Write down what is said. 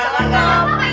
eh jangan jangan